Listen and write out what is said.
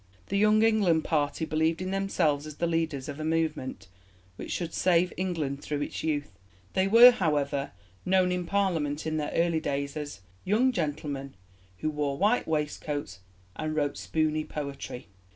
The Young England party believed in themselves as the leaders of a movement which should save England through its youth. They were, however, known in Parliament in their early days as "young gentlemen who wore white waistcoats and wrote spoony poetry."